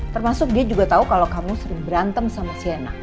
termasuk dia juga tahu kalau kamu sering berantem sama si anak